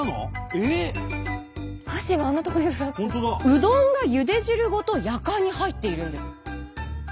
うどんがゆで汁ごとやかんに入っているんです。